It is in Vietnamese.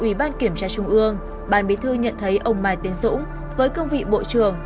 ủy ban kiểm tra trung ương ban bí thư nhận thấy ông mai tiến dũng với cương vị bộ trưởng